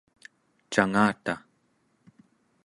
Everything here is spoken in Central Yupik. cangata?